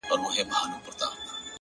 زما د هر شعر نه د هري پيغلي بد راځي؛